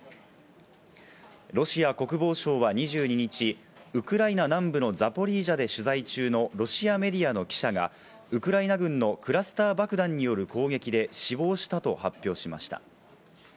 ロシア国防省は２２日、ウクライナ南部のザポリージャで取材中のロシアメディアの記者が、ウクライナ軍のクラスター爆弾による攻撃で死亡したと発表しました。